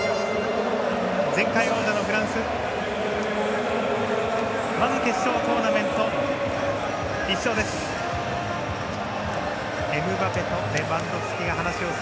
前回王者のフランスまず決勝トーナメント１勝です。